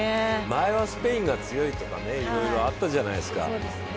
前はスペインが強いとかねいろいろあったじゃないですか。